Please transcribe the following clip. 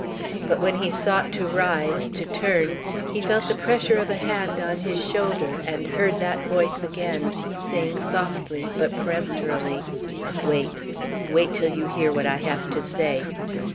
But when he sought to rise, to turn, he felt the pressure of a hand on his shoulder and heard that voice again, saying softly, but peremptorily: "Wait! Wait till you hear what I have to say.